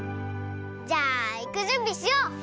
じゃあいくじゅんびしよう！